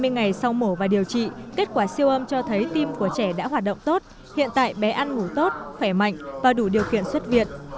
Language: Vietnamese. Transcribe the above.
hai mươi ngày sau mổ và điều trị kết quả siêu âm cho thấy tim của trẻ đã hoạt động tốt hiện tại bé ăn ngủ tốt khỏe mạnh và đủ điều kiện xuất viện